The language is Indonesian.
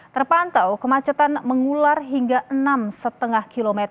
terpantau kemacetan mengular hingga enam lima km